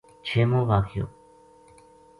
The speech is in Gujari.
چھیمو واقعو